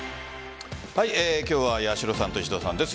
今日は八代さんと石戸さんです。